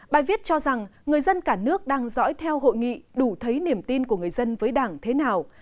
bài viết cho rằng người dân cả nước đang dõi theo hội nghị đủ thấy niềm tin của người dân với đảng thế nào